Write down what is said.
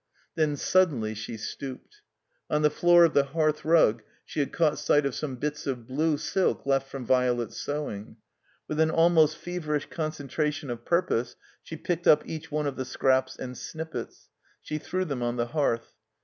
TTien suddenly she stooped. On the floor of the hearth rug she had caught sight of some bits of blue silk left from Violet's sewing. With an almost feverish concentration of purpose she picked up each one of the scraps and snippets ; she threw them on the hearth.